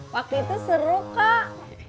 waktu itu seru kak